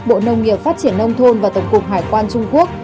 bộ nông nghiệp phát triển nông thôn và tổng cục hải quan trung quốc